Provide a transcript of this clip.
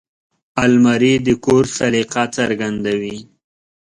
الماري د کور سلیقه څرګندوي